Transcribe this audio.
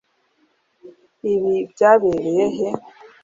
ibi byabereye he